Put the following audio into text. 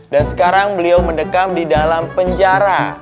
dan sekarang beliau mendekam di dalam penjara